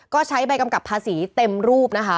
ก็ใช้ใบกำกับภาษีเต็มรูปนะคะ